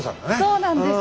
そうなんです。